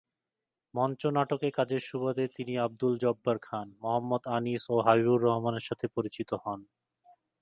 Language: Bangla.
মঞ্চনাটকে কাজের সুবাদে তিনি আবদুল জব্বার খান, মোহাম্মদ আনিস ও হাবিবুর রহমানের সাথে পরিচিত হন।